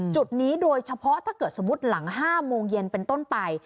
จุดนี้โดยเฉพาะถ้าเกิดสมมุติหลัง๕โมงเย็นเป็นต้นไป